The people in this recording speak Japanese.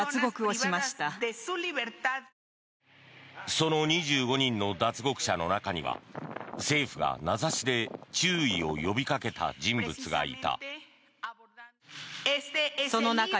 その２５人の脱獄者の中には政府が名指しで注意を呼びかけた人物がいた。